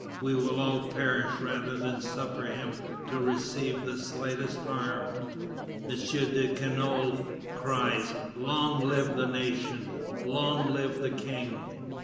We will all perish rather than suffer him to receive the slightest harm." M. de Canolle cries: "Long live the nation! Long live the King!"